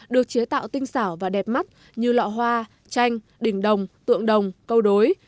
được chế tạo tinh xảo và đẹp mắt như lọ hoa chanh đỉnh đồng tượng đồng câu đối